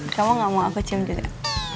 kamu gak mau aku cium juga